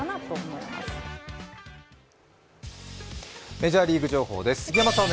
メジャーリーグ情報です。